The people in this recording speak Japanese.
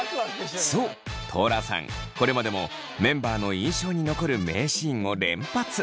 そうトラさんこれまでもメンバーの印象に残る名シーンを連発。